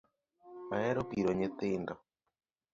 Ahero piro nyithindo